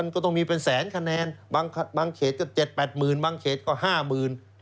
ก็ต้องมีเป็นแสนคะแนนบางเขตก็เจ็ดแปดหมื่นบางเขตก็ห้ามืน